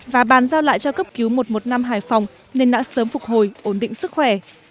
và bàn giao lại cho cấp cứu một trăm một mươi năm hải phòng nên đã sớm phục hồi ổn định sức khỏe